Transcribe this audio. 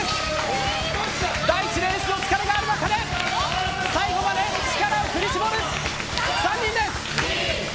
第１レースの疲れがある中で最後まで力を振り絞る３人です。